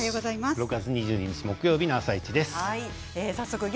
６月２２日木曜日の「あさイチ」です。